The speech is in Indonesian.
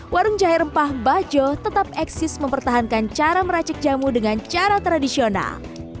warung jahe rempah bajo tetap eksis mempertahankan cara meracik jamu dengan cara tradisional